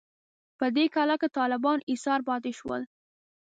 په دې کلا کې طالبان ایسار پاتې شول.